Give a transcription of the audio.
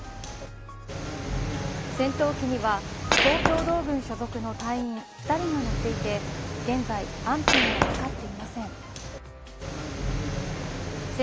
戦闘機には公共同軍所属の隊員２人が乗っていて現在、安否が分かっていません。